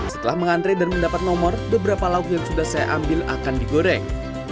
setelah mengantre dan mendapat nomor beberapa lauk yang sudah saya ambil akan digoreng